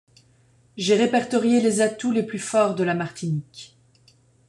J’ai répertorié les atouts les plus forts de la Martinique.